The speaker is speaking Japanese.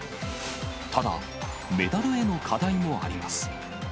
ただ、メダルへの課題もあります。